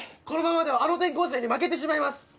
このままではあの転校生に負けてしまいます！